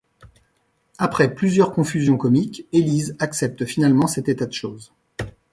Après plusieurs confusions comiques, Élise accepte finalement cet état de choses.